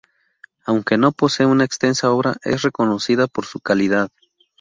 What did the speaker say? Aunque no posee una extensa obra, es reconocida por su calidad.